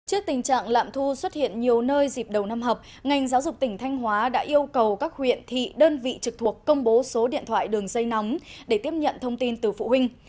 trước tình trạng lạm thu xuất hiện nhiều nơi dịp đầu năm học ngành giáo dục tỉnh thanh hóa đã yêu cầu các huyện thị đơn vị trực thuộc công bố số điện thoại đường dây nóng để tiếp nhận thông tin từ phụ huynh